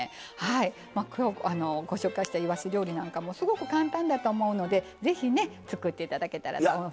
きょうご紹介したいわし料理なんかもすごく簡単だと思うので是非ね作って頂けたらなと思います。